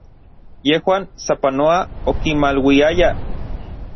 Yejuan sapanoa okimaluiayaj.